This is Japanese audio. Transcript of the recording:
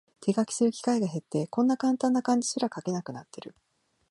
手書きする機会が減って、こんなカンタンな漢字すら書けなくなってる